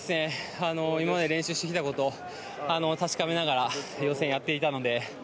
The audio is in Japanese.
今まで練習してきたことを確かめながら予選をやっていたので。